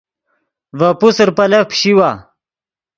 ڤے پوسر پیلف پیشیوا